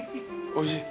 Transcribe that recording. おいしい。